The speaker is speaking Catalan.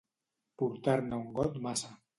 Portar-ne un got massa.